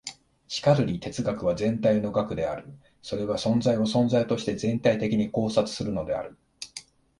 しかるに哲学は全体の学である。それは存在を存在として全体的に考察するのである。